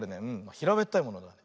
ひらべったいものがある。